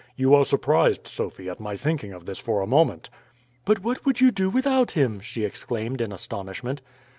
You are surprised, Sophie, at my thinking of this for a moment." "But what would you do without him?" she exclaimed in astonishment.